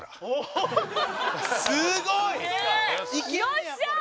よっしゃー！